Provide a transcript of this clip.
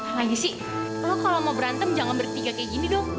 lagi sih lo kalau mau berantem jangan bertiga kayak gini dong